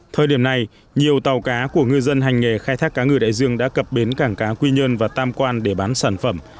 thời điểm này nhiều tàu cá của ngư dân hành nghề khai thác cá ngừ đại dương đã cập bến cảng cá quy nhơn và tam quan để bán sản phẩm